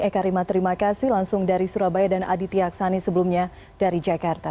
eka rima terima kasih langsung dari surabaya dan aditya aksani sebelumnya dari jakarta